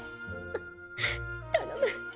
頼む